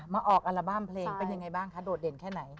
มาออกอัลบั้มเพลงเป็นยังไงบ้างคะโดดเด่นแค่ไหน